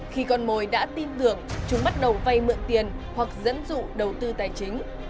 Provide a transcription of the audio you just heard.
khi còn mồi đã tin tưởng chúng bắt đầu vây mượn tiền hoặc dẫn dụ đầu tư tài chính